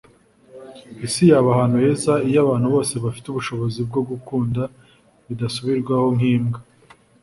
isi yaba ahantu heza iyo abantu bose bafite ubushobozi bwo gukunda bidasubirwaho nk'imbwa